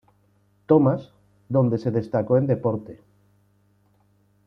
Thomas, donde se destacó en deportes.